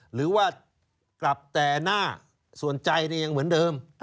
หรือว่ากลับแต่หน้าสนใจยังเหมือนเดิม